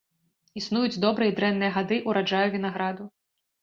Існуюць добрыя і дрэнныя гады ўраджаю вінаграду.